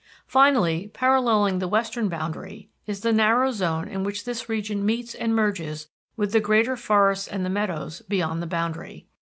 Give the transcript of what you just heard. Finally, paralleling the western boundary, is the narrow zone in which this region meets and merges with the greater forests and the meadows beyond the boundary.